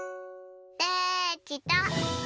できた。